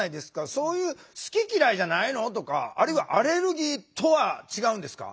そういう「好き嫌いじゃないの？」とかあるいはアレルギーとは違うんですか？